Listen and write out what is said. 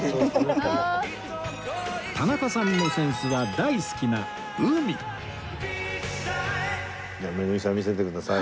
田中さんの扇子は大好きな「海」じゃあ恵さん見せてください。